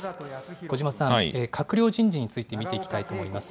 小嶋さん、閣僚人事について見ていきたいと思います。